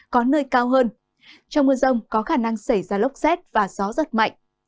có nơi cao hơn trong mưa rông có khả năng xảy ra lốc xét và gió giật mạnh